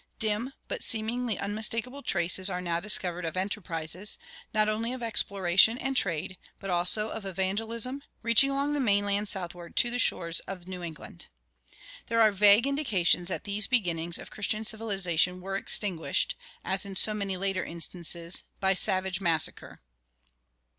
Dim but seemingly unmistakable traces are now discovered of enterprises, not only of exploration and trade, but also of evangelization, reaching along the mainland southward to the shores of New England. There are vague indications that these beginnings of Christian civilization were extinguished, as in so many later instances, by savage massacre.